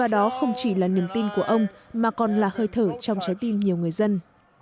đó không chỉ là niềm tin của ông mà còn là hơi thở trong trái tim nhiều người dân